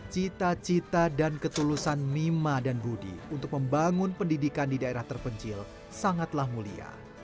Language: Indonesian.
cita cita dan ketulusan mima dan budi untuk membangun pendidikan di daerah terpencil sangatlah mulia